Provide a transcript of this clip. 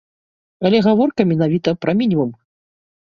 Але гаворка менавіта пра мінімум.